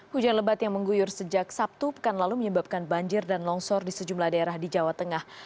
hujan lebat yang mengguyur sejak sabtu pekan lalu menyebabkan banjir dan longsor di sejumlah daerah di jawa tengah